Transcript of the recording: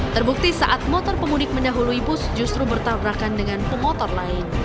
terbukti saat motor pemudik mendahului bus justru bertabrakan dengan pemotor lain